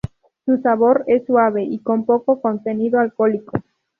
Su sabor es suave y con poco contenido alcohólico.